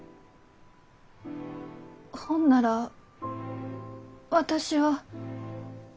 ほんなら私は。